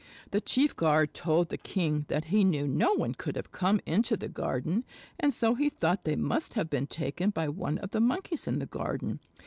The chief guard told the king that he knew no one could have come into the garden and so he thought they must have been taken by one of the Monkeys in the garden.